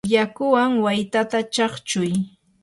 yakuwan waytata chaqchuy.